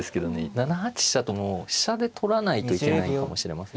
７八飛車ともう飛車で取らないといけないかもしれません。